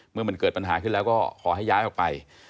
เมื่อมันเกิดปัญหาขึ้นแล้วก็ขอให้ย้ายออกไป